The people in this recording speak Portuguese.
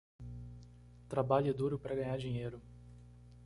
Trabalhe duro para ganhar dinheiro